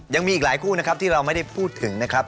ยังมีอีกหลายคู่นะครับที่เราไม่ได้พูดถึงนะครับ